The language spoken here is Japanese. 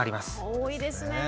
多いですねえ。